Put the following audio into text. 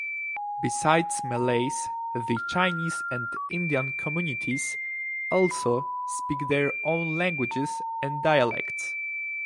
Besides Malays, the Chinese and Indian communities also speak their own languages and dialects.